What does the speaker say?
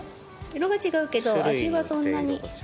色が違うけど味はそんなに。